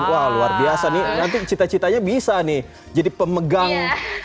jalur basnas ini dari mobili file seharga